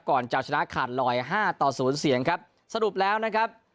ก่อนจะชนะขาด๑๐๕ต่อ๐เสียงครับสรุปแล้วนะครับ